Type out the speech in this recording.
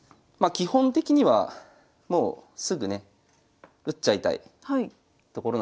基本的にはもうすぐね打っちゃいたいところなんですよ。